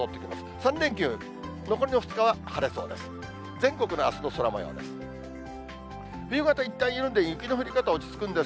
３連休、残りの２日は晴れそうです。